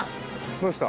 どうした？